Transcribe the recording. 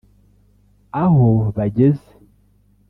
aho bageze